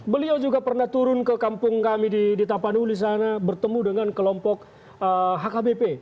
beliau juga pernah turun ke kampung kami di tapanuli sana bertemu dengan kelompok hkbp